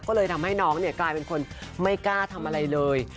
ก็เลยทำให้น้องเนี่ยกลายเป็นคนไม่กล้าทำอะไรเลย